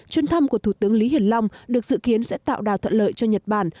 chuyên thăm của thủ tướng lý hiển long được dự kiến sẽ tạo đào thuận lợi cho nhật bản